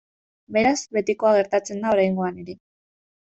Beraz, betikoa gertatzen da oraingoan ere.